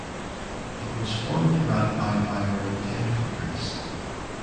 It was formally ratified by around ten countries.